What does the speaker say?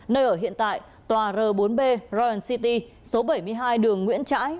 nơi ở hiện tại tòa r bốn b royal city số bảy mươi hai đường nguyễn trãi